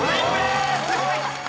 すごい！